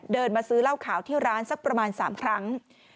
มาซื้อเหล้าขาวที่ร้านสักประมาณ๓ครั้ง